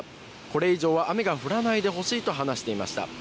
これ以上は雨が降らないでほしいと話していました。